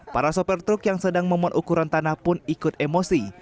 para sopir truk yang sedang memot ukuran tanah pun ikut emosi